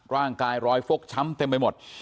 ร่างกายรอยฟกช้ำเต็มไปหมด